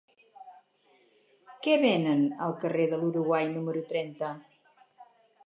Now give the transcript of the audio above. Què venen al carrer de l'Uruguai número trenta?